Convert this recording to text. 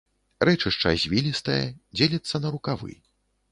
Рэчышча звілістае, дзеліцца на рукавы.